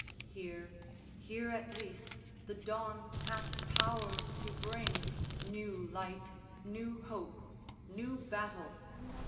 _ Here, here at least the dawn hath power to bring New light, new hope, new battles.